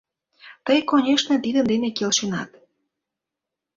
— Тый, конешне, тидын дене келшенат?